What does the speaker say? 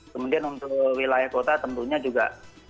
kemudian untuk wilayah kota tentunya juga